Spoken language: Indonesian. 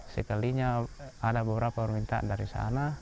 sekalinya ada beberapa permintaan dari sana